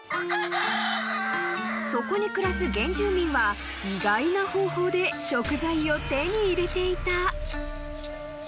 ［そこに暮らす原住民は意外な方法で食材を手に入れていた］